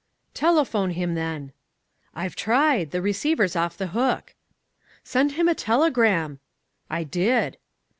"'Telephone him, then.' "'I've tried. The receiver's off the hook.' "'Send him a telegram.' "'I did.